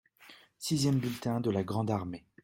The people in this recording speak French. Sixième bulletin de la grande armée.